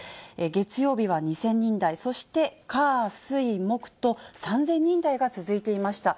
月曜日は２０００人台、そして火、水、木と３０００人台が続いていました。